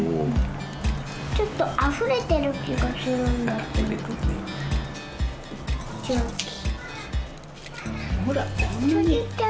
ちょっとあふれてる気がするんだけど。